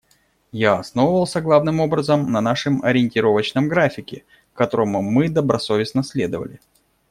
Я основывался главным образом на нашем ориентировочном графике, которому мы добросовестно следовали.